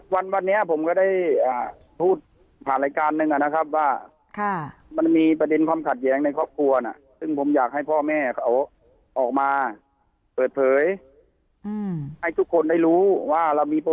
วันวันนี้ผมก็ได้พูดผ่านรายการหนึ่งนะครับว่ามันมีประเด็นความขัดแย้งในครอบครัวนะซึ่งผมอยากให้พ่อแม่เขาออกมาเปิดเผยให้ทุกคนได้รู้ว่าเรามี